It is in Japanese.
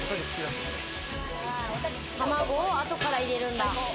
卵を後から入れるんだ。